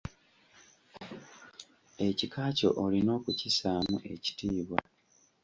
Ekika kyo olina okukissaamu ekitiibwa.